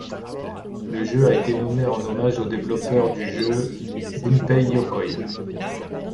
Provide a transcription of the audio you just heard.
Le jeu a été nommé en hommage au développeur du jeu, Gunpei Yokoi.